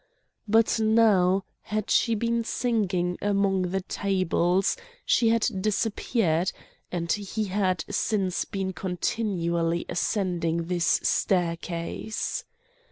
But now had she been singing among the tables; she had disappeared, and he had since been continually ascending this staircase.